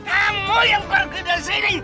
kamu yang pergi dari sini